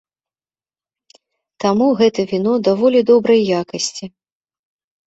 Таму гэта віно даволі добрай якасці.